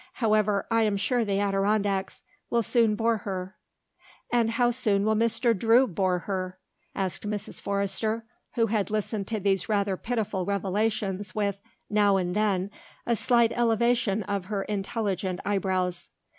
However, I am sure the Adirondacks will soon bore her." "And how soon will Mr. Drew bore her?" asked Mrs. Forrester, who had listened to these rather pitiful revelations with, now and then, a slight elevation of her intelligent eyebrows.